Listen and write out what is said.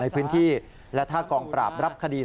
ในพื้นที่และถ้ากองปราบรับคดี